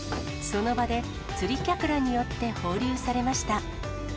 その場で釣り客らによって放流されました。